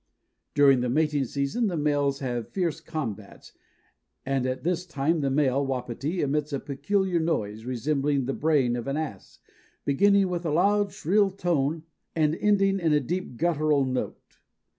"During the mating season the males have fierce combats, and at this time the male Wapiti emits a peculiar noise, resembling the braying of an ass, beginning with a loud shrill tone and ending in a deep guttural note."